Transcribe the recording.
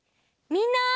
みんな！